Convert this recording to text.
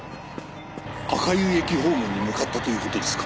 赤湯駅方面に向かったという事ですか？